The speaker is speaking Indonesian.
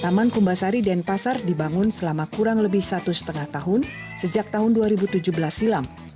taman kumbasari denpasar dibangun selama kurang lebih satu setengah tahun sejak tahun dua ribu tujuh belas silam